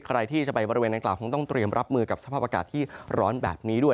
ใครที่จะไปบริเวณนางกล่าวคงต้องเตรียมรับมือกับสภาพอากาศที่ร้อนแบบนี้ด้วย